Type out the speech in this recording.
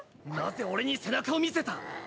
「なぜ俺に背中を見せた！？」